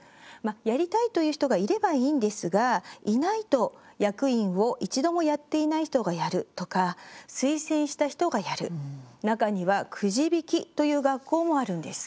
やりたいという人がいればいいんですが、いないと役員を一度もやってない人がやるとか推薦した人がやる中にはくじ引きという学校もあるんです。